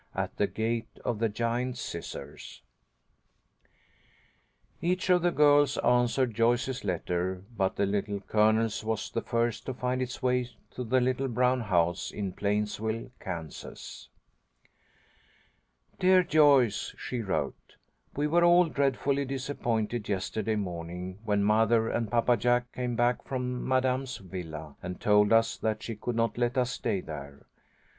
AT THE GATE OF THE GIANT SCISSORS Each of the girls answered Joyce's letter, but the Little Colonel's was the first to find its way to the little brown house in Plainsville, Kansas. "Dear Joyce," she wrote. "We were all dreadfully disappointed yesterday morning when mother and Papa Jack came back from Madame's villa, and told us that she could not let us stay there.